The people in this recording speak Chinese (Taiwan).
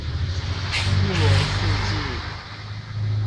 一年四季